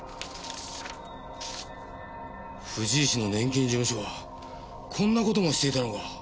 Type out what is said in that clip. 藤石の年金事務所はこんなこともしていたのか。